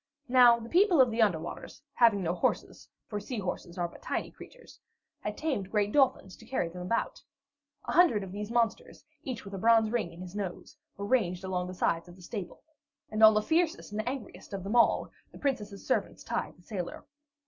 Now the people of the under waters, having no horses, for sea horses are but tiny creatures, had tamed great dolphins to carry them about. A hundred of these monsters, each with a bronze ring in his nose, were ranged along the sides of the stables, and on the fiercest and angriest of them all, the Princess's servants tied the sailor.